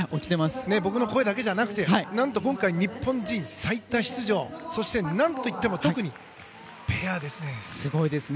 僕の声だけじゃなく今回、日本人最多出場そして何といっても特にペアですね。